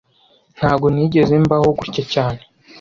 Ntago nigeze mbaho gutya cyane